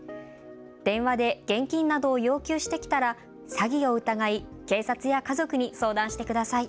電話で現金などを要求してきたら詐欺を疑い警察や家族に相談してください。